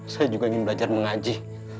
saya juga ingin belajar mengaji